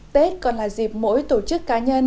tết còn là dịp mỗi tổ chức cá nhân